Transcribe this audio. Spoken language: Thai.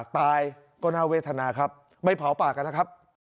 ตายก็น่าเวทนาครับไม่เผาปากกันนะครับ